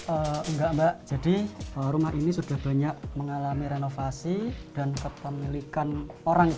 enggak mbak jadi rumah ini sudah banyak mengalami renovasi dan kepemilikan orang